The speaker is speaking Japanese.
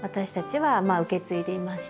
はい。